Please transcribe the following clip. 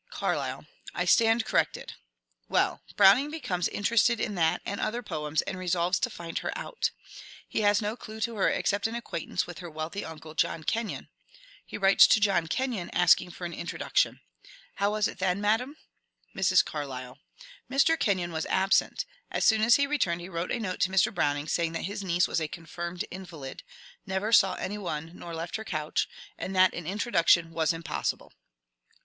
Carlyle. I stand corrected. Well : Browning becomes in terested in that and other poems, and resolves to find her out. He has no clue to her except an acquaintance with her wealthy uncle, John Kenyon. He writes to John Kenyon asking for an introduction. How was it then, madam? Mrs. Carlyle. Mr. Kenyon was absent. As soon as he THE BROWNINGS 23 returned he wrote a note to Mr. Browning saying that his niece was a confirmed invalid — never saw any one, nor left her couch — and that an introduction was impossible.